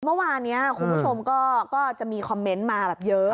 เมื่อวานนี้คุณผู้ชมก็จะมีคอมเมนต์มาแบบเยอะ